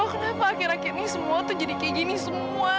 oh kenapa akhir akhir ini semua tuh jadi kayak gini semua